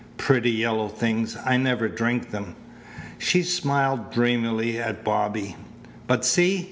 "Pretty yellow things! I never drink them." She smiled dreamily at Bobby. "But see!